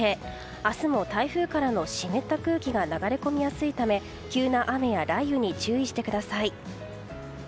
明日も台風からの湿った空気が流れ込みやすいため急な雨や雷雨に注意してください。